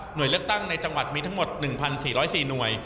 โดยเลือกตั้งในจังหวัดมีทั้งหมด๑๔๐๔หน่วย